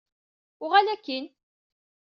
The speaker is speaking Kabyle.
Uɣal akk-in!